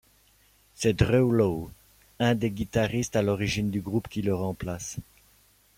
C'est Drew Lowe, un des guitaristes à l'origine du groupe, qui le remplace.